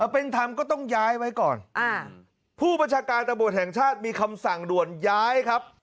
เป็นธรรมก็ต้องย้ายไว้ก่อนผู้บัญชาการตำรวจแห่งชาติมีคำสั่งด่วนย้ายครับ